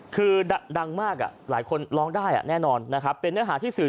คือดังมากหลายคนร้องได้แน่นอนนะครับเป็นเนื้อหาที่สื่อ